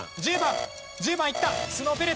１０番いった！